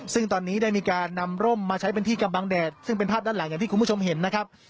ซึ่งตอนนี้ได้มีการนำร่มมาใช้เป็นที่กำบังแดดซึ่งเป็นภาพด้านหลังอย่างที่คุณผู้ชมเห็นนะครับ